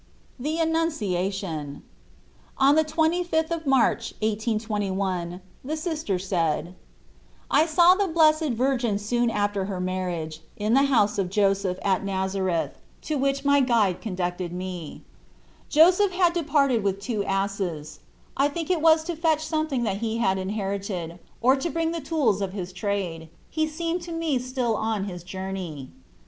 THE ANNUNCIATION. ON the 25th of March, 1821, the Sister said : I saw the Blessed Virgin soon after her marriage, in the house of Joseph at 1 8 Ube 1Ratf\?ft ot Nazareth, to which my guide conducted me. Joseph had departed with two asses. I think it was to fetch something that he had inherited, or to bring the tools of his trade. He seemed to me still on his journey.